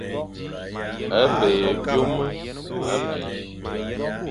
A be ye byôm abî,